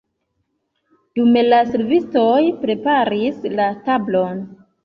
Dume la servistoj preparis la tablon.